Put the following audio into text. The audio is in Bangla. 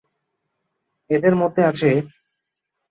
এদের মধ্যে আছেঃ